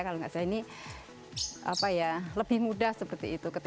kalau nggak saya ini lebih mudah seperti itu